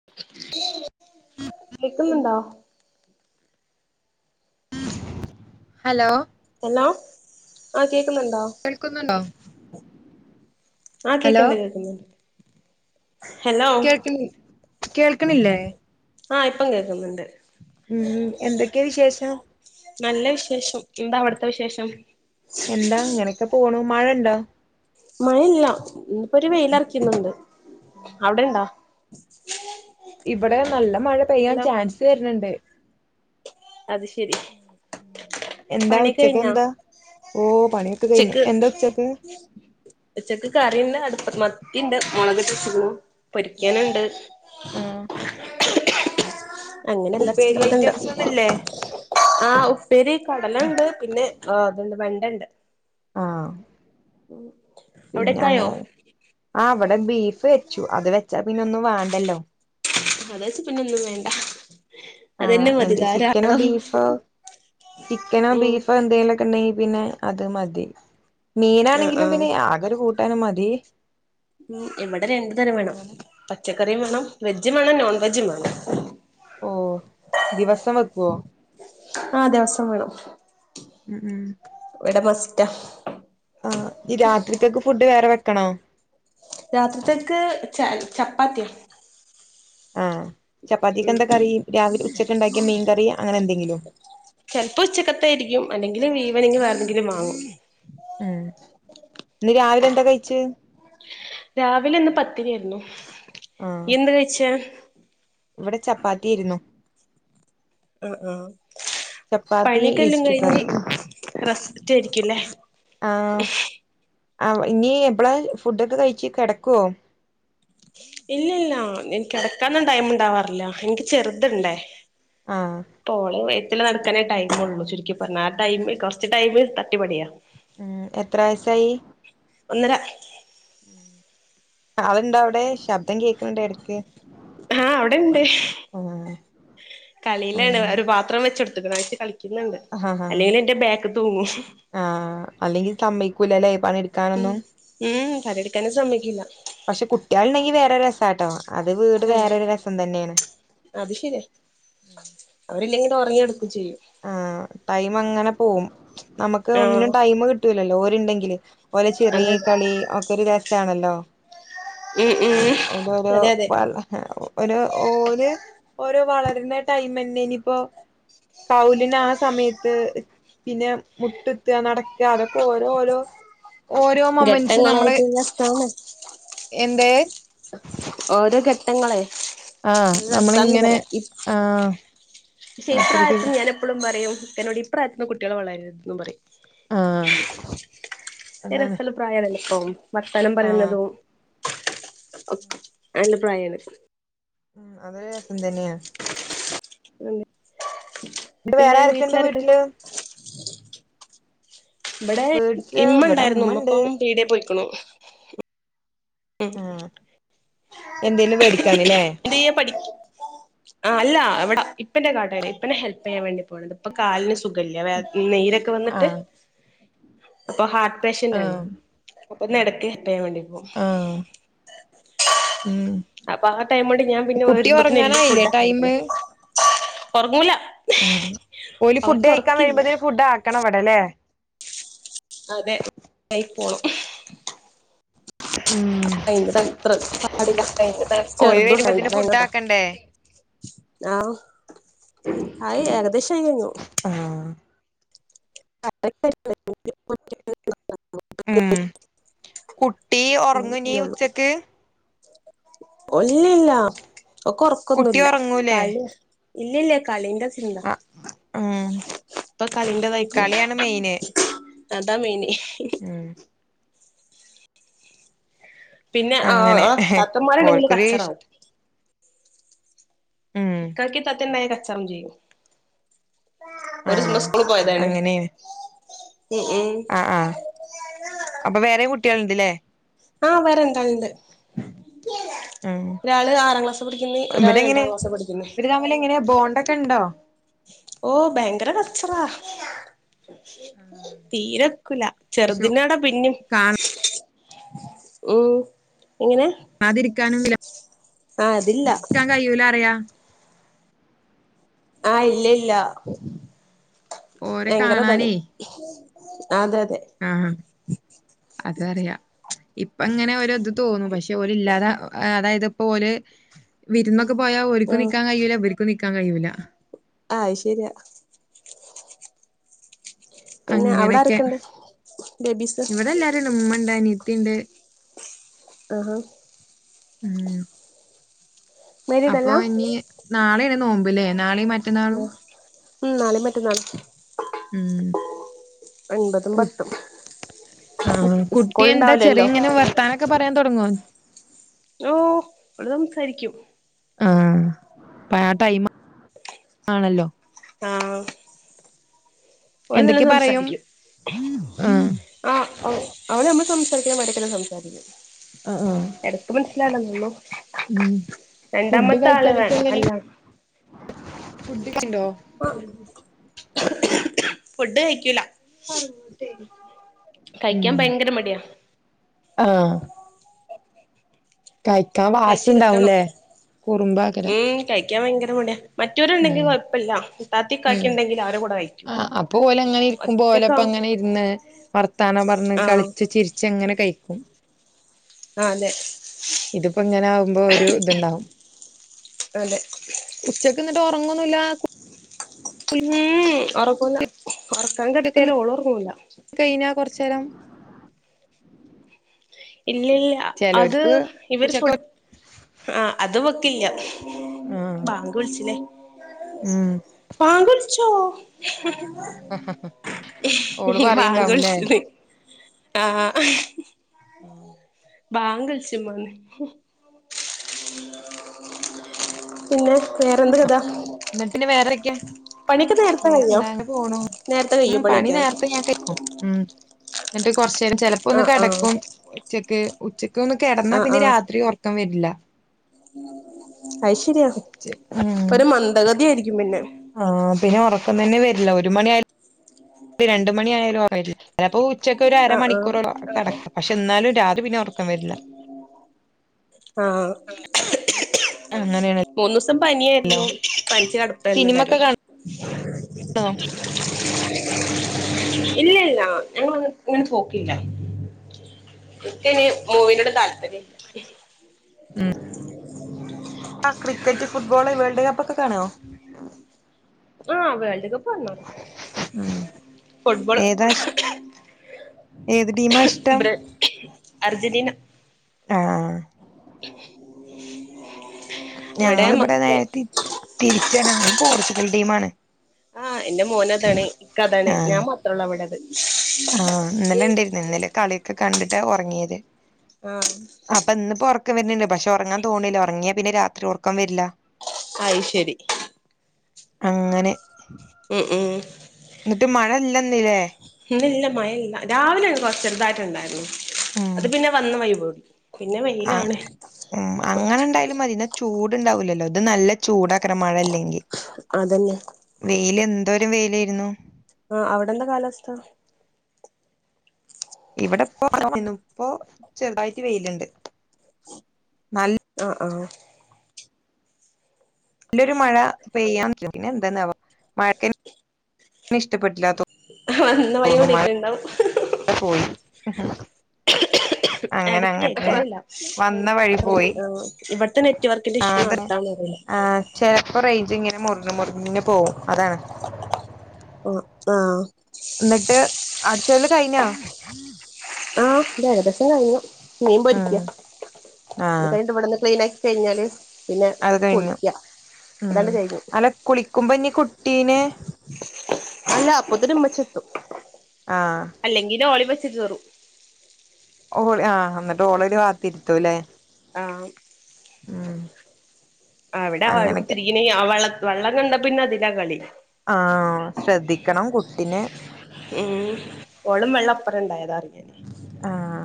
[unintelligible] Hello hello ആഹ് കേക്കുന്നുണ്ടോ കേൾക്കുന്നുണ്ടോ? ആഹ് ഹലോ കേക്ക്ണ്ട് കേക്കുന്നുണ്ട് ഹലോ കേൾക്കണി കേൾക്കണില്ലേ ആഹ് ഇപ്പം കേക്കുന്നുണ്ട് ഉം എന്തൊക്കെയാ വിശേഷം? നല്ല വിശേഷം എന്താ അവടത്തെ വിശേഷം എന്താ അങ്ങനൊക്കെ പോണു മഴ ഇണ്ടാ? മഴ ഇല്ല ഇന്നപ്പോരു വെയിലറക്കിന്നുണ്ട് അവടെ ഇണ്ടാ? ഇവടെ നല്ല മഴ പെയ്യാൻ ഹലോ ചാൻസ് വരണ് ണ്ട് അത് ശെരി എന്താ ഉച്ചക്ക് എന്താ ഓഹ് പണിയൊക്കെ കഴിഞ്ഞു ഉച്ചക്ക് എന്താ ഉച്ചക്ക് ഉച്ചക്ക് കറിണ്ട് അടുപ്പ മത്തിണ്ട് മുളക്കിട്ട് വെച്ചക്കിണു പൊരിക്കാനുണ്ട് ആഹ് അങ്ങനെ അല്ലറ ഉപ്പേരി ചില്ലറ ഇത്ണ്ട് ഐറ്റംസ് ഒന്നുംല്ലേ ആഹ് ഉപ്പേരി കടലണ്ട് പിന്നെ അതുണ്ട് വെണ്ടണ്ട് ആഹ് ഉം പിന്നെ അവടെക്കായോ? അങ്ങനെ ആഹ് വടെ ബീഫ് വെച്ചു അത് വെച്ചാ പിന്നെ ഒന്നും വേണ്ടല്ലോ അത് വെച്ച പിന്ന ഒന്നും വേണ്ട അതന്നെ ആഹ് മതി എന്ത് ചിക്കനോ ധാരാളം ബീഫോ ചിക്കനോ ഉം ബീഫോ എന്തെലു ക്കെണ്ടങ്കി പിന്നെ അത് മതി ആഹ് മീനാണെങ്കിലും ആഹ് പിന്നെ ആകോരു കൂട്ടാനും മതി. ഉം ഇവടെ രണ്ടു തരം വേണം അങ്ങനെ പച്ചക്കറിയും വേണം വെജും വേണം നോൺ വെജും വേണം. ഓഹ് ദിവസം വെക്കുവോ? ആഹ് ദിവസം വേണം. ഉം ഉം ഇവടെ മസ്സ്‌റ്റാ. ആഹ് ഈ രാത്രിതെക്ക് ഫുഡ് വേറെ വെക്കണോ? രാത്രിത്തേക്ക് ച ചപ്പാത്തിയാ ആഹ് ചപ്പാത്തിക്ക് എന്താ കറി? രാവിലെ ഉച്ചക്ക് ഉണ്ടാക്കിയ മീൻ കറി അങ്ങനെ എന്തെങ്കിലും. ചെൽപ്പോ ഉച്ചക്കത്ത ആരിക്കും അല്ലെങ്കിലും ഇവനിഗ് വേറെന്തെങ്കിലും വാങ്ങും. ഉം ഇന്ന് രാവിലെ എന്താ കഴിച്ചേ? രാവിലെ ഇന്ന് പത്തിരിയാരുന്നു. ഇയെന്താ കഴിച്ചേ? ഇവടെ ചപ്പാത്തി ആരുന്നു. ആഹ് ആഹ് ചപ്പാത്തി പണിയ്ക്കെല്ലും ഈസ്റ്റു കറി കഴിഞ്ഞ് റസ്സ്റ്റാരിക്കുംല്ലേ? ആഹ് ഇനി എപ്പള ഫുഡൊക്കെ കഴിച്ച് കെടക്കുവോ? ഇല്ലില്ലില എനിക്ക് കെടക്കാനോന്നും ടൈമോണ്ടാക്കാറില്ല എനിക്ക് ചെറുത്ണ്ടേ. ആഹ് പ്പോളെ [unintelligible] നടക്കാനേ ടൈം ഒള്ളു ചുരുക്കി പറഞ്ഞ ആ ടൈമി കൊറച്ച് ടൈമ് തട്ടി പടിയാ ഉം എത്ര വയസായി? ഒന്നര ഉം ആളുണ്ടോ അവടെ ശബ്ദം കേക്കണ്ട് എടക്ക് ആഹ് ആഹ് കളിയിലണ് വേറൊരുപാത്രം വെച്ച് കൊടുത്തേക്കണ് കളിക്കുന്നുണ്ട് ആ ആ അല്ലെങ്കിൽ എന്റെ ബാക്ക് തൂങ്ങും. ആഹ് അല്ലെങ്കിൽ സമ്മയ്ക്കൂലല്ലേ ഉം പണിയെടുക്കാനൊന്നും ഉം തഴെല് നിക്കാൻ സമ്മയ്ക്കില്ല. പക്ഷെ കുട്ടികള്ഉണ്ടെങ്കിൽ വേറെ ഒരു രസാട്ടോ അത് വീട് ആഹ് വേറെരു രസം തന്നെയാണ്. അത് ശരി അവരില്ലെങ്കി ഉറങ്ങികെടുക്കയും ചെയ്യും. ആഹ് ടൈം അങ്ങനെ പോകും നമുക്ക് ആഹ് ഒന്നിനും ടൈം കി കിട്ടൂലല്ലോ ഓരോണ്ടെങ്കില് ഓലെ ചിരി അതെ അതെ കളി ഒക്കെ ഒരു രസാണല്ലോ ഉം ഉം അതൊരു അതെ അതെ വള ഒരു ഓര് ഓരോ വളരുന്ന ടൈം തന്നെ ഇനിപ്പോ. കൗലിന് ആഹ് സമയത്ത് പിന്നെ മുട്ട്കുത്തുക നടക്കുക അതൊക്കെ ഓരോ ഓരോ ഓരോ മൊമന്റസും നമ്മള് ഘട്ടങ്ങളായിട്ട് രസാണ് എന്തേ ഓരോ ഘട്ടങ്ങളെ ആഹ് രസാന്ന് നമ്മളിങ്ങനെ പറയാ ഇപ്പ്‌ ആഹ് ശേ അത്രക്ക് ഇപ്രായത്തി ഞാന എപ്പോഴും പറയും എന്നോടിപ്രായത്തിന്ന് കുട്ടികൾ വളരുതെന്ന് പറയും. ആഹ് അതാണ് രസഉള്ള പ്രായാണല്ലേ ഇപ്പോ വർത്താനം ആഹ് പറയുന്നതും അയിന്റെ പ്രായാണ്. ഉം അതൊരു രസം തന്നെയാ ഉം ന്നിട്ട് വേറെ പിന്നെ ആരൊക്കെണ്ട് വീട്ടിലാരൊക്കെ? വീട്ടില് ഇവിടെ ഇ വീട്ടില് ഇമ്മ ഇവിടെ ഇണ്ടായിരുന്നു. ഇമ്മ ഉമ്മണ്ട് ഇപ്പൊ പീടികെ പോയിക്കണു. ആഹ് എന്തെലും മേടിക്കാനില്ലേ പുതിയ പഠിക്ക് ആഹ് അല്ല എവിടെ ഇപ്പ്ന്റെ കാടെൽ ഇപ്പനെ ഹെൽപ് ചെയ്യാൻ വേണ്ടി പോണുണ്ട് അപ്പൊ കാലിന് സുഖില്ല്യ നീരൊക്കെ വന്നിട്ട് ആഹ് അപ്പൊ ഹാർ ഓപ്പറേഷന്റ ആന്ന് ആഹ് അപ്പൊന്ന്ടക്ക് കിട്ടിയമതി ആഹ് അപ്പൊ ആ ടൈം കൊണ്ട് ഞാൻ പിന്നെ കുട്ടി വരുമ്പതെന് എല്ലാ ഒറങ്ങാനായില്ലേ ഫുഡ് ആക്കെ ടൈമ് എടുക്കുന്നു ഉറങ്ങൂല ഉം ഓല് ഫുഡ് അവക്ക് കഴിക്കാൻ ഉറക്കില്ല വരുമ്പഴത്തേക്ക് ഫുഡ് ആക്കണം അവിടെ അല്ലേ അതെ ഐ പോണം ഉം അയിന്റെ തത്ര പാടിലാ ഓല് ചെറുതുംണ്ടൈയ്ണ്ടേ വരുമ്പത്തിന് ഫുഡ് ഭയങ്കര് താ ആക്കണ്ടേ ആഹ് ആയി ഏകദേശം ആയി കയ്ഞ്ഞു ആഹ് [unintelligible] [unintelligible] ഉം കുട്ടി ഒറങ്ങൊനീ ഉള്ളു ഉച്ചക്ക് ഒല്ലില്ല ഓക്ക് കുട്ടി ഒറക്കൊന്നുല്ല ഒറങ്ങൂലേ കള്യാ ഇല്ല്യല്ലാ കളിന്റെ ഇണ്ടാ ആഹ് ഉം ഇപ്പൊ കളിന്റെ തായിക്കുണു കളിയാണ് മെയിന് അതാ മൈയിന് മ് പിന്നെ ആഹ് അങ്ങനെ ഓളെ ഇതാത്തന്മാരുണ്ടെങ്കില് ഓൽക്കൊരു ഇഷ് കച്ചറാവും ഉം ഇക്കാക്കിം ഇത്താത്തിംണ്ടായ കച്ചറ ല്ലേനു ഒരു ന്ന് ആഹ് സ്കൂള് പോയതാണ് അങ്ങനെയാണ് ഉം ഉം ആഹ് ആഹ് അപ്പൊ വേറേം കുട്ട്യാള് ണ്ട്ല്ലേ ആഹ് വേറെ രണ്ടാല്ണ്ട് ഉം ഒരാള് ആറാം ക്ലാസ്സ് പഠിക്കുന്ന് ഒരാള് രണ്ടാം ക്ലാസ് പഠിക്കുന്നേ ഓലെങ്ങനെയാ ബോണ്ടൊക്കെ ഇണ്ടോ ഓഹ് ഭയങ്കര കച്ചറാ തീരെ ഒക്കൂല ശോ ചെറുതിനോടാ പിന്നിം ഉം എങ്ങനെ ആതിരിക്കാനും വില ആഹ് അതില്ല [inaudible] ഇക്കാൻ കയ്യൂലറയാ ആ ഇല്ല ഇല്ല ഓരെ ഭയങ്കര ഇതാണ് കാണാനേ അതെ അതെ ആഹ് അതറിയാ ഇപ്പൊങ്ങനെ ഒര് ഇത് തോന്നും പക്ഷേ ജോലില്ലാതെ അതായത് ഇപ്പോ ഓല് വിരുന്നൊക്കെ പോയാ ഓരുക്കും ആഹ് നിക്കാൻ കയ്യൂല ഇവര്ക്കും ക്കും നിക്കാൻ കയ്യൂല്ല അയ് ശെരിയാ പിന്നെ അവിടെ അങ്ങനെക്കെ ആരൊക്കെണ്ട് ബേബീസ് ഇവിടെ എല്ലാരുംണ്ട് ഇമ്മണ്ട് അനിയത്തി ഇണ്ട് ആഹാ ഉം മാരീഡ് അപ്പൊ അല്ല ഇനി നാളേണ് നോമ്പ് ല്ലേ നാളിം മറ്റ ഉം നാളിം മറ്റന്നാളും ഉം ഒൻപതും പത്തും ആ കുട്ടി സ്കൂൾ എന്താ ഉണ്ടാവൂലല്ലോ ചെറിയ ഇങ്ങനെ വർ ത്താനൊക്കെ പറയാൻ തൊടങ്ങോ ഓഹ് ഓള് സംസാരിക്കും ആഹ് അപ്പൊ ആ ടൈം ആണല്ലോ ഉം ഓള് നല്ലോം എന്തൊക്കെ പറയും സംസാരിക്കും ആഹ് ആ അവള് നമ്മള് സംസാരിക്കണ മാരിയൊക്കെ തന്നെ സംസാരിക്കും ആഹ് ആഹ് എടക്ക് മനസിലാവൂലന്നൊള്ളു ഉം ഫുഡ് രണ്ടാമത്തെ ആള് ആ അല്ലാ ഫുഡൈയ്ച്ച്ണ്ടോ ഫുഡ് കയ്ക്കൂല ഉം കയ്ക്കാൻ ഭയങ്കര മടിയാ ആഹ് കഴിക്കാൻ വാശി കയ്ച്ച് കിട്ടണം ഉണ്ടാവുംല്ലേ കുറുമ്പാക്കര ഉം കയ്ക്കാൻ ഭയങ്കര മടിയാ മറ്റോരുണ്ടെങ്കി ഉം കൊയപ്പല്ല ഇത്താത്തിം ഇക്കാക്കി ഉം ഇണ്ടെങ്കി ആരെ കൂടെ കയ്ക്കും ക്കുമ്പോലപ്പം അങ്ങനെ ഇരുന്ന് വർത്താനം പറഞ്ഞ് ആഹ് കളിച്ചു ചിരിച്ച് അങ്ങനെ കയിക്കും ആഹ് അതെ ഇതിപ്പോ ഇങ്ങനെ ആവ്മ്പോ ഒരു ഇതുണ്ടാവും അതെ ഉച്ചക്ക്ന്നിട്ട് ഉറങ്ങൊന്നുല്ലാ കു ഉം ഒറക്കുല്ല ഒറക്കാൻ കെടത്തിയാലും ഓളൊറങ്ങൂല കയിഞ്ഞാ കെറച്ചേരം ഇല്ലില്ല അത് ചെലോര്ക്ക് ഇവര് ഉച്ചക്ക് ഫുട് ആഹ് അത് ഇവെക്കില്ല ആഹ് ബാങ്ക് വിളിച്ചില്ലേ ഉം ബാങ്ക് വിൾച്ചോ ഓള് ബാങ്ക് പറയ്ണ്ടാവുംല്ലേ വിളിച്ചന്ന് ആഹ് ഉം ബാങ്ക്ളിച്ച മോന് പിന്നെ വേറെന്ത് കഥ? എന്നിട്ട് പിന്നെ വേറെക്കെ പണിയൊക്കെ നേരത്തെ കയിഞ്ഞോ വേറെന്താ നേരെത്തെ കയ്യോ പണിയൊക്കെ പ്പ ഞാ കേക്കും ഉം ഇന്നട്ട് കൊറച്ചേരം ചെലപ്പൊന്ന് ആഹ് ആഹ് കെടക്കും ഉച്ചക്ക് ഉച്ചക്കൊന്ന് കെടന്നാ ആഹ് പിന്നെ രാത്രി ഒറക്കം വെരില്ലാ അയ്ശെരിയാ ഉം ഒരു മന്ദഗതിയാരിക്കും പിന്നെ ആഹ് പിന്നെ ഒറക്കംതന്നെ വെരില്ലാ ഒരുമണിയാ മണി രണ്ട്മണിയായാലും [unintelligible] ചെലപ്പോ ഉച്ചയ്ക്ക് ഒരു ആഹ് ആഹ് അരമണിക്കൂറോളോ കെടക്കാ പക്ഷെ ഇന്നാലും രാത്രി പിന്നെ ഒറക്കം വെരില്ലാ ആഹ് അങ്ങനേണ് മൂന്നുസം പനിയായിരുന്നു പനിച്ച് സിനിമക്കെ കെടപ്പായിരുന്നെല്ലാരും കാണും ഇല്ല ഇല്ലാ ഞങ്ങളന്ന് ഇങ്ങനെ പോക്കില്ലാ ഇൻക്കയിന് മൂവിനോട് താല്പര്യല്ലാ ആഹ് ക്രിക്കറ്റ് ഫുട്ബോള് വേൾഡ് കപ്പൊക്കെ കാണുവോ? ആഹ് വേൾഡ്കപ്പ് കാണാറ്ണ്ട് ഉം ഏതാഷ് ഏത് ടീമാ ഇഷ്ട്ടം? ബ്ര അർജന്റീന ആഹ് ഇവിടെ ഞങ്ങളിബിടെ മക്കൾ നേരെ തിരി തിരിച്ചാ ഞങ്ങള് പോർച്ചുഗൽ ടീമാണ് ആഹ് ഇന്റെ മോനതാണ് ഇക്ക അതാണ് ആഹ് ഞാൻ മാത്രോള്ളൂ ഇവിടത് ആഹ് ഇന്നലെ ഇണ്ടേര്ന്ന് ഇന്നലെ കളിയൊക്കെ കണ്ടിട്ടാ ഒറങ്ങിയത് ആഹ് അപ്പൊ ഇന്നിപ്പോ ഒറക്കം വെര്ന്ന്ണ്ട് പക്ഷെ ഒറങ്ങാൻ തോൺല്ലാ ഒറങ്ങിയാ പിന്നെ രാത്രി ഒറക്കം വെരില്ലാ അയ്ശെരി അങ്ങനെ ഉം ഉം ഇന്നിട്ട് മഴ ഇല്ലന്നില്ലേ? ഇന്നില്ലാ മയ ഇല്ലാ രാവിലെ കൊറച്ചെറുതായിട്ടുണ്ടായിരുന്നു ഉം അത് പിന്നെ വന്ന വൈ പോയി പിന്നെ ആഹ് വെയിലാണ് ഉം അങ്ങനെ ഇണ്ടായാലുംമതി ഇന്നാ ചൂട്ണ്ടാവില്ലല്ലോ ഇത് നല്ല ചൂടാക്കാരം മഴ ഇല്ലെങ്കി അതന്നെ വെയില് എന്തൊരു വെയിലേയ്രുന്നു ആഹ് അവടെന്താ കാലാവസ്ഥ? ഇവിടെ ഇപ്പ [unintelligible] ഇപ്പോ ചെറുതായിട്ട് വെയില്ണ്ട് നൽ ആഹ് ആഹ്. നല്ലൊരു മഴ പെയ്യാൻ [unintelligible] പിന്നെ എന്താന്നാവോ മഴക്കെ ഇഷ്ട്ടപ്പെട്ടില്ലാതോ വന്ന വയി ഓടിട്ട്ണ്ടാവും അത് പോയി ഉം. എടക്ക് കേക്ക്ന്നില്ലാ. വന്ന വഴി ആ പോയി ഇവിട്ത്തെ നെറ്റ് വർക്കിന്റെ ഇഷ്യൂ അവ്ട്ത്താന്ന അറിയില്ല. ചെൽപ്പോ റേഞ്ച്ങ്ങനെ മുറിഞ് മുർഞ് പോവും അതാണ്. ഉം. ആഹ്. ന്നട്ട് അടിച്ചോരല് കയിഞ്ഞാ. ആഹ് ന്റെകദേശം കയിഞ്ഞു ഉം മീമ്പോര്ക്ക്യ ആഹ് കഴിഞ്ഞു ക്ലീൻ ആക്കി ചെയ്ഞ്ഞാല്. അത് കയിഞ്ഞു ഉം അതങ്ങട് കഴിഞ്ഞു അല്ല കുളിക്കുമ്പോനി കുട്ടീനെ അല്ലാ അപ്പോത്തിന് മ്മച്യേത്തും. ആഹ്. അല്ലെങ്കിലോളിവെച്ച് കേറും ഓ ആ ന്നിട്ട് ഓളോര് വാത്തിരുത്തും ല്ലെ ആഹ്. ഉം. അവിടെ അങ്ങനൊക്കെ അവിടെക്കുത്തിരിക്കണ ആ വ വെള്ളം കണ്ട പിന്നെ അതിലാ കളി. ആഹ് ശ്രദ്ധിക്കണം കുട്ടിനെ. ഉം ഓളും വെള്ളപ്പറം ഇണ്ടായതാ അറിഞത്‌. ആഹ്.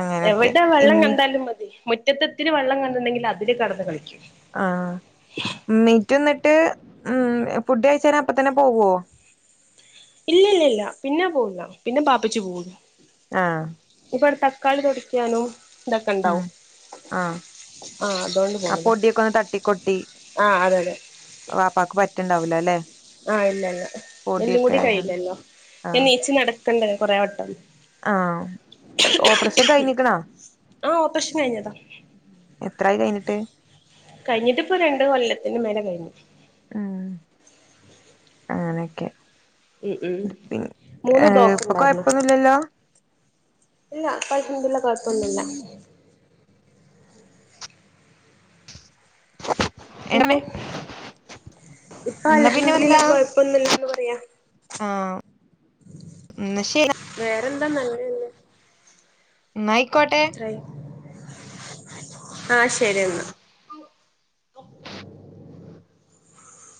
അങ്ങനൊക്കെ എവടെ ഇമ്മി വെള്ളക്കണ്ടാലും മതി മുറ്റത്ത്ത്തിരി വെള്ളം കണ്ടിണ്ടെങ്കിൽ അതില് കടന്ന് കളിക്കും. ആ മ്മീറ്റുന്നിട്ട് ഉ ഫുഡ് കഴിച്ച അപ്പ തന്നെ പോവോ. ഇല്ല്യല്ലല്ല പിന്നെ പോവുല്ല പിന്നെ ബാപ്പച്ചി പോള്ളൂ. ആഹ്. ഇപ്പവടെ തക്കാളി തൊടിക്യാനു ഇതൊക്കെണ്ടാവു. ഉം ആഹ് ആഹ് അതോണ്ട് ആ പോണില്ല പൊടിയൊക്കെ ഒന്ന് തട്ടിക്കൊട്ടി ആഹ് അതെയതെ. വാപ്പാക്ക് പറ്റണ്ടാവൂലല്ലേ. ആഹ് ലല്ല എല്ലുങ്ങൂടി ആയതാണ് കയ്യില്ലല്ലോ ഞാൻ ആഹ് നീച്ച് നടക്കണ്ടെ കൊറെേ വട്ടം. ആഹ് ഓപ്പറേഷൻ കൈഞ്ഞിക്ക്‌ണാ ആ ഓപ്പറേഷൻ കഴിഞ്ഞതാ എത്രായി കൈഞ്ഞിട്ട്. കഴിഞ്ഞിട്ടിപ്പോ രണ്ട് കൊല്ലത്തിന്റെ മേലെ കൈഞ്ഞ്. ആഹ് അങ്ങനൊക്കെ. ഉം ഉം പി ഏ മൂന്ന് ബ്ലോക്ക് പ്പോ കൊയപ്പോന്നൂല്ലല്ലോ. ല്ല കൊയപ്പോന്നുല്ല കൊഴപ്പോന്നുല്ല പിന്നെ. എന്നാ ഇപ്പൊ പിന്നെ എന്താ അൽഹംദുലില്ലാഹ് കൊയപ്പോന്നൂല്ലന്ന് പറയാ. ന്ന ശരി വേറെന്താ നല്ലത് ന്നായികോട്ടെ. ആഹ് ശെരിയെന്നാ.